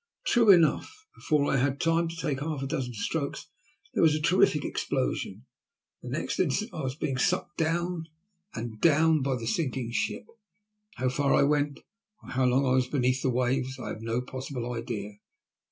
True enough, before I had time to take half a dozen strokes there was a terrific explosion, and next instant I was being sucked down and down by the sinking ship. How far I went, or how long I was beneath the waves, I have no possible idea.